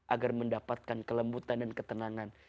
agar mendapatkan kelembutan dan ketenangan